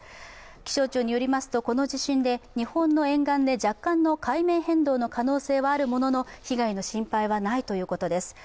気象庁によりますとこの地震で日本の沿岸で若干の海面変動の可能性はあるものの被害の心配はないということです。